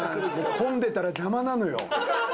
混んでたら邪魔なのよ。